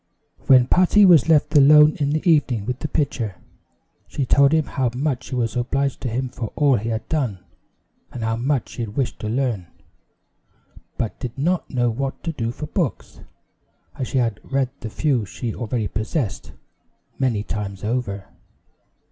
When Patty was left alone in the evening with the pitcher, she told him how much she was obliged to him for all he had done, and how much she wished to learn; but did not know what to do for books, as she had read the few she already possessed, many times over.